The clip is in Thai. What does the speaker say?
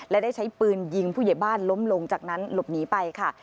และได้ใช้ปืนยิงผู้ใหญ่บ้านล้มลงจากนั้นหลบหนีไปค่ะ